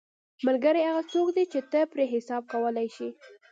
ملګری هغه څوک دی چې ته پرې حساب کولی شې.